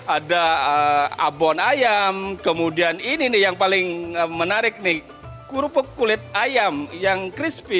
ada abon ayam kemudian ini nih yang paling menarik nih kerupuk kulit ayam yang crispy